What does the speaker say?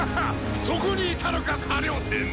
そこにいたのか河了貂！